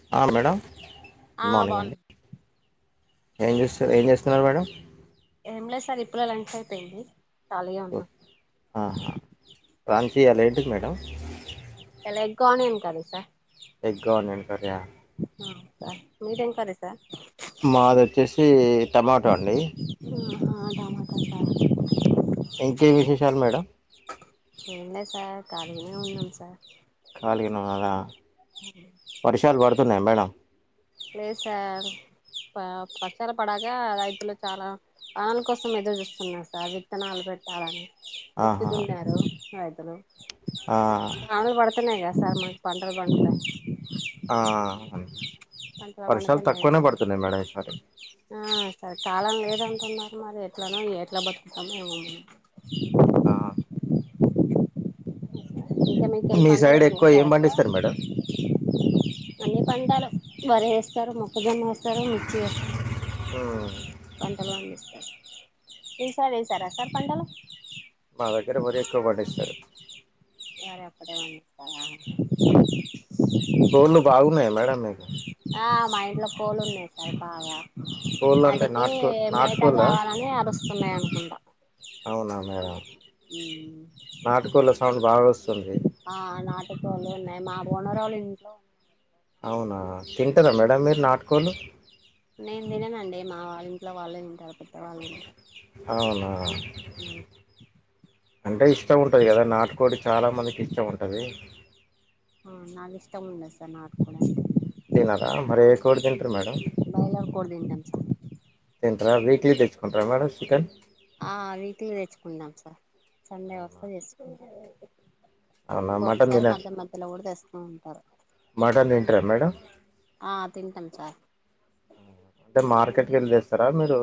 [unintelligible] Madam ఆ good morning బాగున్నా అండి ఏం జేస్తు ఏం జేస్తున్నార్ మేడమ్ ఏం లేద్ సార్ ఇప్పుడే లంచ్ అయిపోయింది కాలిగా ఉన్నాం ఆహా రాంచీ ఇయాలేంటిది మేడం ఎలాగ్గానియన్ కర్రీ సార్ ఎగ్గానియన్ కర్రీ ఆ ఆ సార్ మీర్ ఏం కర్రీ సార్ మాదొచ్చేసీ టమాటో అండి ఆ హా టమటకా ఇంకేం విశేషాల్ మేడం ఏంలే సార్ కాలినే ఉన్నాం సార్ కాళీగ నున్నారా [unintelligible] వర్షాలు బడుతున్నాయా మేడం లేదు సార్ పా పర్షాలు పడకా రైతులు చాలా ఆన్ కోసం ఎదురు జూస్తున్నార్ సార్ విత్తనాల్ పెట్టాలని దుక్కి ఆహా దున్యారూ రైతులు ఆ వానల్ బడ్ తనేగా సార్ మాక్ పంటల్ బండుతాయ్ ఆ అని పంటలు వర్షాల్ పండుతున్నాయి తక్కువనే కదా పడుతున్నాయ్ మేడం ఈసారి ఆ సర్ కాలం లేదంటున్నార్ మరి ఎట్లనో ఎట్లా బతుకుతామో ఏమో మనం ఆ ఇంక మీకెల్లి మీ సైడ్ పంటలేమన్న ఎక్కువ ఏం ఏశారా సార్ పండిస్తారు మేడం అన్ని పంటలు వరి ఏస్తారు మొక్ ఏదన్నా ఎస్తారా మిర్చి ఎస్తారా మ్మ్ పంటలు పండిస్తర్, ఈసారీ ఏసార సార్ పంటలు? మా దగ్గర వరి ఎక్కువ పండిస్తరు. వారి ఒకటే పండిస్తరా. కోళ్ళు బాగున్నయ మేడం మీకు ఆ మా ఇంట్ల కోళ్లు ఉన్నయి సార్ బాగ. కోళ్ళు అంటే ఆటికి నాటుకో మేతా నాటుకోళ్ళ కావలని అరుస్తున్నయి అనుకుంట. అవునా మేడం. నాటుకోళ్ళ సౌండ్ బాగ వస్తుంది. ఆ నాటు కోళ్లు ఉన్నయి, మా ఓనర్ ఒళ్ళ ఇంట్లో అవునా తింటరా మేడం మీరు నాటుకోళ్ళు? నేన్ తిననండి మా వాళ్ళు ఇంట్లో వాళ్ళే తింటారు. పెద్దవాళ్ళు తింట అవునా ఉ అంటే ఇష్టం ఉంటది కదా, నాటుకోడి చాల మందికి ఇష్టం ఉంటది. అవ్ నాకు ఇష్టం ఉండదు సార్ నాటుకోడంటే తినరా, మరి ఏ కోడి తింటరు మేడం? బయలర్ కోడి తింటాం సార్ తింట్రా వీక్లీ తెచ్చుకుంట్రా మేడం చికెన్? ఆ వీక్లీ తెచ్చుకున్నాం సార్. సండే అవునా వస్తే తెచ్చుకుంట అవునా ఒక్ మటన్ సారి తిన మధ్య మధ్యలో కూడ తెస్తూ ఉంటరు. మటన్ తింటరా మేడం? ఆ తింటం సార్ టే మార్కెట్కి ఎళ్ళి తేస్తరా మీరూ?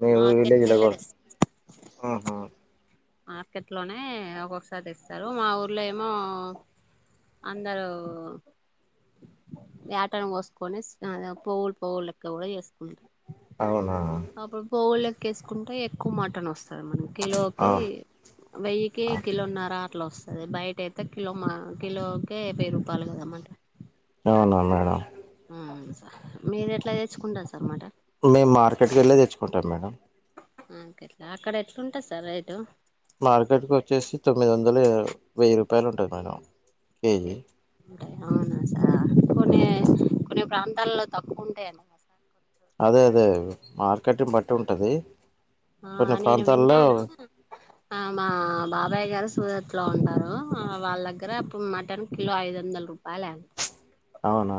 మీ మార్కెట్కి విలేజ్ల వెళ్ళే కోస్ తెస్త ఆహా మార్కెట్ లోనే ఒక్కొక్కసారి తేస్తరు. మా ఊర్లో ఏమో అందరూ యాటని కోసుకొని స్నా పోగులు పోగులులెక్క వోయి ఎస్కుంట అవునా అప్పుడు పోవులెక్క ఏసుకుంటే ఎక్కువ మటన్ వస్ తరు మన ఆ కిలోకి వెయ్యికి కిలోన్నర అట్ల వస్తది బయట అయితే కిలో మా కిలోకకే వెయ్యి రూపాలు కదా మాట అవునా మేడం ఉమ్ సార్. మీరు ఎట్ల తెచ్చుకుంటరు సర్ మటన్? మేం మార్కెట్కి ఎళ్ళే తెచ్చుకుంటాం మేడం. ఆ కే అక్కడ ఎట్లుంటంది సార్ రేటు? మార్కెట్కి వచ్చేసి తొమ్మిది వందలు ఏదో, వెయ్యి రూపాయలు ఉంటది మేడం. కేజీ ఏ ఆ అవునా సార్ కొన్ని ఆ కొన్ని ప్రాంతాల్లో తక్కువ ఉంటయ్ అన్ అదే అదే మార్కెట్ని బట్టి ఉంటది. ఆ కొన్ని నేను ప్రాంతాల్లో విన్నాను ఆ మా బాబాయ్ గారు సూరత్ లో ఉంటారు. ఆ వాళ్దగ్గర అప్పు మటన్ కిలో ఐదు వందల్ రూపాయలే, అవునా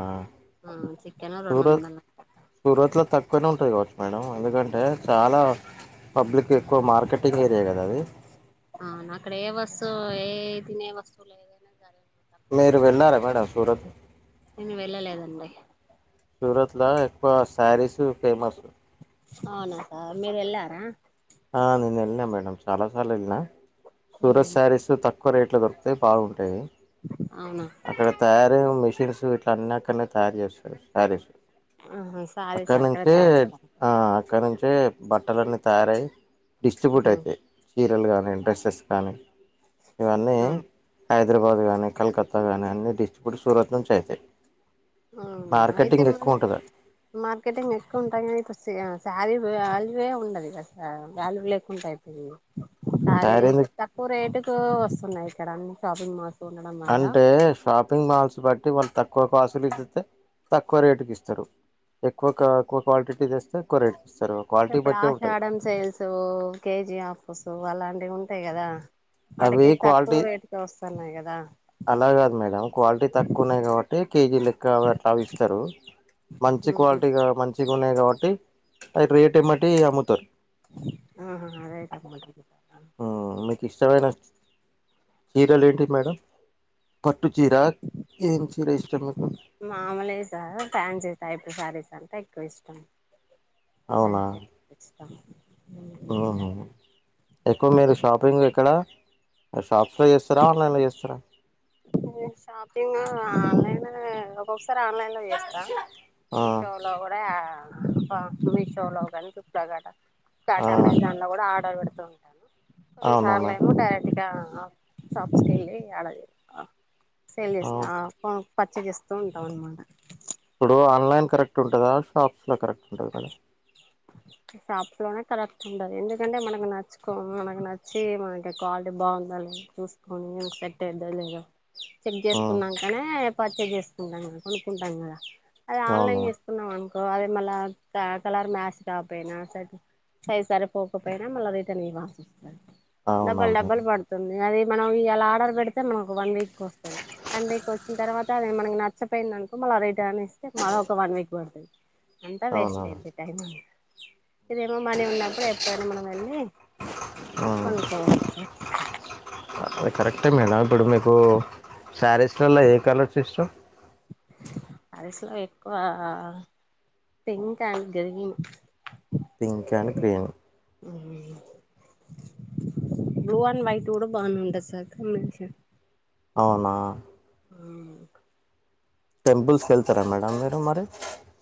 ఉ చికెన్ రెండు సూరత్ వందల సూరత్ లో తక్కువనే ఉంటది కావచ్చు మేడం. ఎందుకంటే చాలా పబ్లిక్ ఎక్కువ మార్కెటింగ్ ఏరియా కదా అది. అవునా అక్కడ ఏ వస్తువు ఏ తినే వస్తువులు ఏదైనా గాని మీరు వెళ్ళారా మేడం సూరత్? నేను వెళ్ళలేదండి. సూరత్‌లా ఎక్కువ శారీస్ ఫేమస్ అవునా సార్ మీరెళ్ళారా ఆ నేన్ ఎళ్లిన మేడం చాలా సార్లు ఎళ్లిన సూరత్ సారీస్ తక్కువ రేట్లో దొరుకుతాయి బాగుంటాయి అవునా అక్కడ తయారైన మెషిన్స్ ఇట్ల అన్ని అక్కడనే తయారు చేస్తారు సారీస్ ఆహా సారీ అక్కడ సార్ నుంచే ఆ అక్కడ నుంచే బట్టలన్నీ తయారై డిస్ట్రిబ్యూట్ అయితాయి తయారవుతారా చీరలు కానీ డ్రెస్సెస్ కానీ ఇవన్నీ హైదరాబాదు గానీ కలకత్తా గానీ అన్ని డిస్ట్రిబ్యూట్ సూరత్ నుంచే అయితాయి అవునా అయితే మార్కెటింగ్ మనం ఎక్కువ ఉంటది మార్కెటింగ్ ఎక్కువ ఉంటాయి కానీ ఇప్పుడు సె శారీ వాల్యూవే ఉండదుగా సా వాల్యూ లేకుండా అయిపోయింది శారే శారీ ఇక్కడ తక్కువ రేటుకు వస్తున్నాయి ఇక్కడ అన్ని షాపింగ్ మాల్ అంటే షాపింగ్ మాల్స్ బట్టి వాళ్ళు తక్కువ కాసులు ఇతితే తక్కువ రేటుకి ఇస్తారు ఎక్కువ క ఎక్కువ క్వాలిటీకి తేస్తే ఎక్కువ రేటుకి ఇస్తారు క్వాలిటీ ఇప్పుడు బట్టే ఉంటది ఆషాడం సేల్స్ కేజీ ఆఫస్ అలాంటివి ఉంటాయి కదా అవి అటికి తక్కువ క్వాలిటీ రేటుకే వస్తున్నాయి కదా అలా కాదు మేడం క్వాలిటీ తక్కువ ఉన్నాయి కాబట్టి కేజీ లెక్కవి అట్లావి ఇస్తారు మంచి క్వాలిటీగా మంచిగా ఉన్నాయి కాబట్టి అవి రేట్ ఏమ్మటే అమ్ముతారు ఆహా రేటు [unintelligible] ఆ మీకు ఇష్టమైన చీరలు ఏంటి మేడం పట్టుచీర ఏం చీరా ఇష్టం మీకు మామూలే సార్ ఫ్యాన్సీ టైప్ శారీస్ అంటే ఎక్కువ ఇష్టం [unintelligible] ఉమ్ ఓహో ఎక్కువ మీరు షాపింగ్ ఎక్కడ షాప్స్‌లో చేస్తారా ఆన్లైన్‌లో చేస్తారా నేను షాపింగ్ ఆన్లైన్ ఒక్కొక్కసారి ఆన్లైన్‌లో చేస్తా ఆ మీషోలో కూ డా మీషోలో గాని ఫ్లిప్కార్టా ఆ ఫ్లిప్కార్ట్ అమెజాన్ ట్లో కూడా ఆర్డర్ పెడుతూ ఉంటాను కొన్ని సార్లు అవునవునా ఏమో డైరెక్ట్‌గా షాప్స్‌కి ఎళ్లి ఆడ ఆ సేల్ చేస్తా ఆ కొను పచ్చేస్ చేస్తూ ఉంటాం అనమాట ఇప్పుడు ఆన్లైన్ కరెక్ట్ ఉంటాదా షాప్స్‌లో కరెక్ట్ ఉంటాదా మేడం [inaudible] షాప్స్‌లోనే కరెక్ట్ ఉంటది ఎందుకంటే మనకు నచ్చుకో మనకు నచ్చి మనకి క్వాలిటీ బాగుందా లేదా చూస్ కొని సెట్ అయ్యిదో లేదో చెక్ మ్మ్ చేసుకున్నాంకనే పర్చేస్ చేసుకుంటాంగా కొనుక్కుంటాం కదా అది అవునా ఆన్లైన్ చేస్ కున్నాం అనుకో అది మళ్ళ క కలర్ మ్యాస్ కాపోయినా సద్ సైజ్ సరిపోకపోయినా మల్లా రిటర్న్ ఇవ్వాల్సి వస్తది అవునా డబల్ డబల్ మేడం పడు తుంది అది మనం ఇయ్యాల ఆర్డర్ పెడితే మనకు ఒక వన్ వీక్ వస్తాది వన్ వీక్ వచ్చిన తర్వాత అది మనకి న చ్చపోయిందనుకో మళ్ళా రిటర్న్ ఇస్తే మళ్ళ ఒక వన్ వీక్ పడుతది అంతా అవునా వేస్ట్ అయిద్ది టైం అం ఇదేమో మనీ ఉన్నప్పుడు ఎప్పుడైనా మనం వెళ్ళి కొనుక్కోవచ్చు అ కరెక్టే మేడం ఇప్పుడు మీకు సారీస్ లలో ఏ కలర్స్ ఇష్టం సారీస్‌లో ఎక్కువ pink and green pink and green hum blue and white కూడా బానే ఉంటది సార్ అవునా హా టెంపుల్స్కి వెళ్తారా మేడం మీరు మరి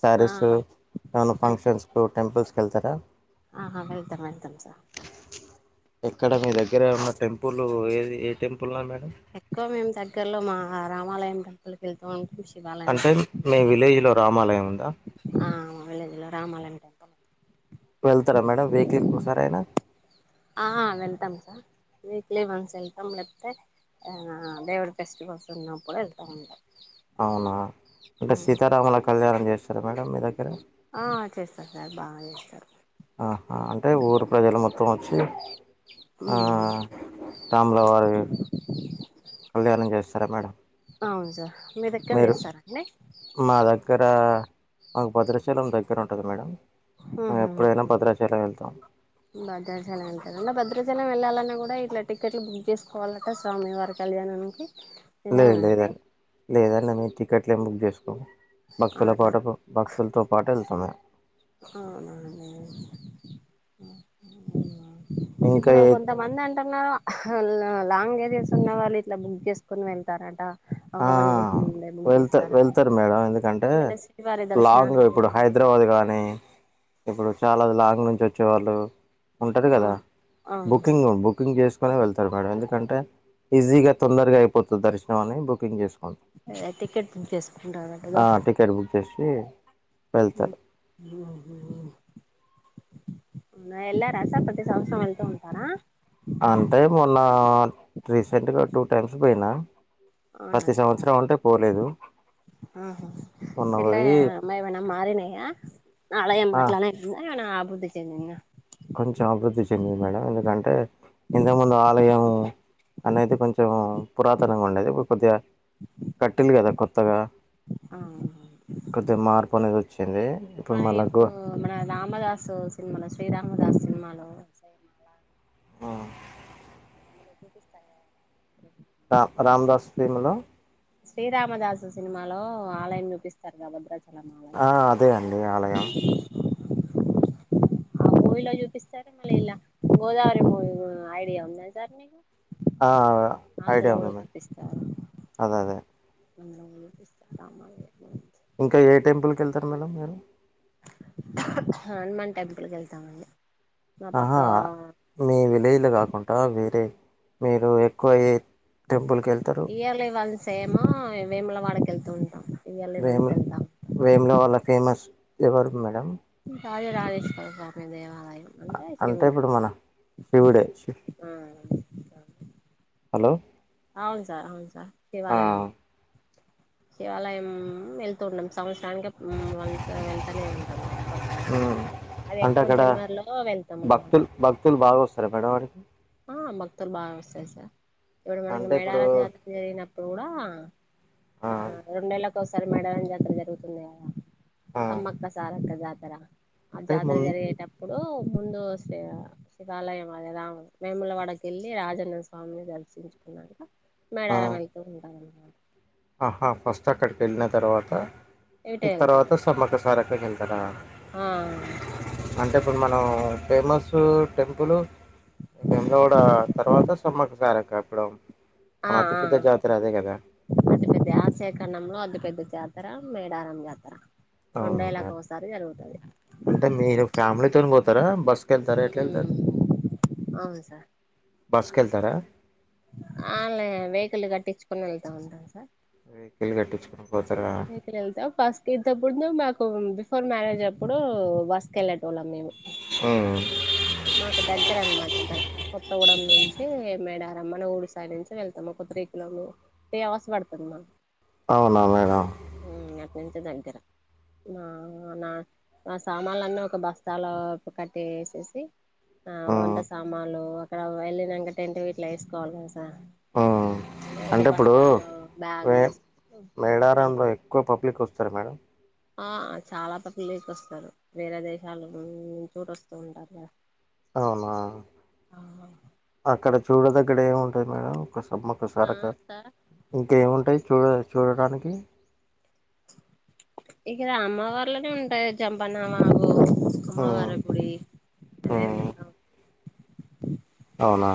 శారిస్ ఆ ఏమన్నా ఫంక్షన్స్కు టెంపుల్స్కి వెళ్తారా ఆహా వెల్తామ్ వెల్తమ్ సార్ ఎక్కడ మీ దగ్గర ఉన్న టెంపుల్ ఏది ఏ టెంపుల్ మేడం ఎక్కువ మేము దగ్గర్లో మా రామాలయం టెంపుల్ కి వెళ్తూ ఉంటాం శివాలయం అంటే టెంపుల్ మీ విలేజ్ లో రామాలయం ఉందా ఆ విలేజ్లో రామాలయం టెంపుల్ వెళ్తారా మేడ వీక్లీకి ఒకసారయినా ఆ వెళ్తాం సార్ వీక్లీ వన్స్ వెళ్తాం లేకపోతే దేవుడి ఫెస్టివల్స్ ఉన్నప్పుడు వెళ్తాము. అవునా అంటే సీతారాముల కళ్యాణం చేస్తార మేడం మీ దగ్గర ఆ చేస్తారు సార్ బాగా చేస్తారు ఆహా అంటే ఊరు ప్రజలు మొత్తం వచ్చి ఆ రాముల వారు కళ్యాణం చేస్తారా మేడం అవును సార్ మీ దగ్గర మీరు చేస్తారా అట్నే మా దగ్గర మాకు భద్రాచలం దగ్గర ఉంటుంది మేడంమ్ హమ్ హు భద్రాచలం ఉంటదా భద్రాచలం వెళ్ళాలన్నా కూడా ఇట్లా టికెట్లు బుక్ చేసుకోవాలంట స్వామి వారి కళ్యాణానికి లేదు నిజమేనండి లేదండి లేదండి మేము టికెట్లు ఏమి బుక్ చేసుకోము భక్తుల అలా పాటు భక్తులతో పాటు వెళ్తాం అవున అండి ఇంకా ఇప్పుడు ఏ కొంతమంది అంటన్నారు లాంగ్ జర్నీసు ఉన్న వాళ్ళు ఇట్లా బుక్ చేసుకుని వెళ్తారట ఒక ఆ వన్ వీక్ ముందే బుక్ వెళ్తా చేస్తారట వెళ్తారు మేడం ఎందుకంటే శ్రీవారి లాంగ్ దర్శనాన్ని ఇప్పుడు హైదరాబాద్ కానీ ఇప్పుడు చాలా లాంగ్ నుంచి వచ్చేవాళ్ళు ఉంటది కదా అవును సార్ బుకింగ్ బుకింగ్ చేసు కొని వెళ్తారు మేడం ఎందుకంటే ఈజీగా తొందరగా అయిపోతుంది దర్శనం అని బుకింగ్ చేసుకుంటాం టికెట్ చేసుకుంటార కదా ఆ టికెట్ బుక్ చేసి ఓ వెళ్తారు ఆహా వెళ్లారా సార్ ప్రతి సంవత్సరం వెళ్తూ ఉంటారా అంటే మొన్న రీసెంట్గా టూ టైమ్స్ పోయినా ప్రతి సంవత్సరం ఉంటే పోలేదు మొన్న ఎట్లే పోయి ఏమైనా మారినయా అలాగే ఆ అట్ల ఏమైనా అభివృద్ధి చెందిందా కొంచెం అభివృద్ధి చెందింది మేడం ఎందుకంటే ఇంతకుముందు ఆలయంము అదైతే కొంచెం పురాతనంగా ఉండేది ఇప్పుడు కొద్దిగా కట్టిల్లు కదా కొత్తగా ఆ కొద్ది మార్పు అనేది వచ్చింది మన మళ్ళా గో ఇప్పుడు మన రామదాస్ సినిమాలో శ్రీరామదాస్ సినిమాలో ఆ అందులో చూపిస్తాయా రేపు ఆ రామదాస్ ఫిల్మ్ లో శ్రీరామదాసు సినిమాలో ఆలయం చూపిస్తారుగ భద్రా చల ఆలయం ఆ అదే అండి ఆలయం ఆ మూవీలో చూపిస్తారు మళ్ళ ఇల్లా గోదావరి మూవీలో ఐడియా ఉందా సార్ నీకు ఆ అందులో ఐడియా ఉంది కూడా మేడం చూపిస్తారు అదే అదే వందలో చూపిస్తారు రామాలయం మూవీ ఇంకా ఏ టెంపుల్ కెళ్తారు మేడం మీరు హనుమాన్ టెంపుల్ కి వెళ్తామండి మా పక్క ఆహా మీ విలేజ్లో కాకుండా వేరే మీరు ఎక్కువ ఏ టెంపుల్కి వెళ్తరు ఇయర్లీ వన్స్ ఏమో వేములవాడ కెళ్తూ ఉంటాం ఇయర్లీ వన్స్ వేము వెళ్తాం వేముల వాళ్ళ ఫేమస్ ఎవరు మేడం రాజా రాజేశ్వర స్వామి దేవాలయం అంటే ఇప్పుడు మన శివుడే శివ్ ఆ హలో అవును సార్ అవును సార్ ఆ శివాలయమే శివాలయం వెళ్తుంటాం సంవత్సరానికి ఉమ్ అంతా వెళ్తనే ఉంటాం పక్కా అది అంటే ఎక్కువ అక్కడ జనవరిలో వెళ్తాం అన్నమాట భక్తులు భక్తులు బాగా వస్తారా మేడం ఆడికి ఆ భక్తులు బాగా వస్తారు సార్ ఇప్పుడు మనకి అంటే ఇప్పుడు మేడారం జాతర జరిగినప్పుడు గూడా ఆ ఆ రెండేళ్ళకోసారి మేడారం జాతర జరుగుతుంది గదా ఆ తమ్మక్క సారక్క జాతర ఆ అంటే జాతర ముం జరిగేటప్పుడు ముందు శ శివాలయం అదే రాముడు వేముల వాడకెళ్ళి రాజన్న స్వామిని దర్శించుకునంక ఆ మేడారం వెళ్తూ ఉంటాం అన్నమాట ఆహా ఫస్ట్ అక్కడికి వెళ్ళిన తర్వాత ఈ ఇటే వెళ్తారు తర్వాత సమ్మక్కసారక్క కెళ్తరా ఆ అంటే ఇప్పుడు మనం ఫేమస్ టెంపుల్ వేములవాడ తర్వాత సమ్మకు సారక్క ఇప్పుడు మన అతి పెద్ద జాతర అదే గదా అంత పెద్ద ఆశియఖండంలో అతి పెద్ద జాతర మేడారం జాతర అవును రెండేళ్ళకి మేడం ఒకసారి జరుగుతది అంటే మీరు ఫ్యామిలీతోని బోతరా బస్సు కెళ్తరా ఎట్లా యెళ్తరు మ్మ్ అవును సార్ బస్సు కెళ్తరా ఆలే వెహికిల్ కట్టించుకొని వెళ్తా ఉంటాం సార్ వెహికిల్ కట్టించుకొని పోతారా వెళ్తలేం సార్ ఫస్ట్ ఇంతకు ముందు మాకు బిఫోర్ మ్యారేజ్ అప్పుడు బస్సుకి వెళ్ళేటోళ్ళం మేము ఉమ్ మాకు దగ్గర అన్నమాట అక్కడ కొత్తగూడం నుంచి మేడారం మన ఊరి సైడ్ నుంచి వెళ్తాము ఒక త్రీ కిలోలు త్రీ అవర్స్ పడుతది మాకు అవునా మేడం ఉమ్ అటు నుంచి దగ్గర నా నా సామాన్లు అన్నీ ఒక బస్తాలోపు కట్టెసేసి ఆ వంట మ్మ్ సామాన్లు అక్కడ వెళ్ళినాకట టెంట్ వీట్లా వేసుకోవాలి తెలుసా మ్మ్ ఒక అంటే ఇప్పుడు బస్తాలో మే బ్యాగు్లు వేసి మళ్ళీ మేడారంలో ఎక్కువ పబ్లిక్ వస్తారు మేడం ఆ చాలా పట్లకి వస్తారు వేరే దేశాల ను చూ వస్తూ ఉంటారు కదా అవునా అక్కడ చూడదగ్గర ఏముంటుంది మేడం ఒక సమ్మర్ ఆ ఒకసారిగా సార్ ఇంకేముంటాయి చూడ చూడడానికి ఇక్కడ అమ్మ వార్లనే ఉంటాయి చంపనామాబు మ్మ్ కుమవార గుడి అవే వు మ్మ్ అవునా